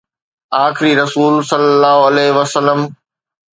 آخري رسول صلي الله عليه وسلم